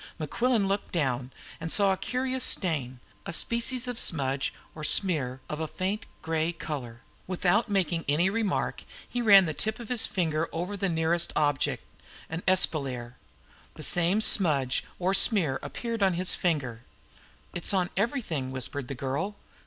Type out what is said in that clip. Mequillen looked down, and saw a curious stain a species of smudge or smear of a faint grey colour. Without making any remark he ran the tip of his finger along the nearest object, an espalier. The same smudge or smear appeared on his finger. "It's on everything," whispered the girl.